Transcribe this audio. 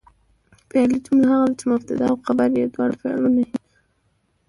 فعلي جمله هغه ده، چي مبتدا او خبر ئې دواړه فعلونه يي.